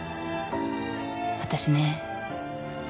私ね。